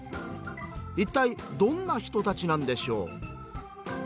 一体どんな人たちなんでしょう？